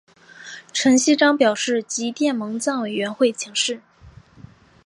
陈锡璋表示即电蒙藏委员会请示。